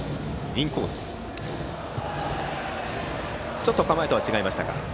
ちょっと構えとは違いましたか。